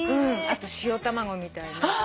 あと塩卵みたいな。